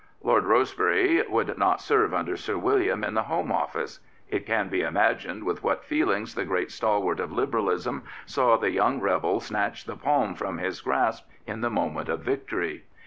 Lord Rosebery would not serve under Sir William in the Home Office. It can be imagined with what feelings the great stalwart of Liberalism saw the young rebel snatch the palm from his grasp in the moment of victory.